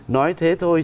nói thế thôi